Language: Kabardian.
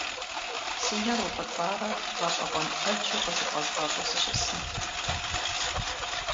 Си нэр уфӏыцӏарэ гъэщӏэгъуэн ӏэджи къызыфӏэзгъэщӏу сыщысынт.